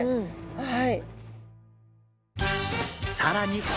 はい。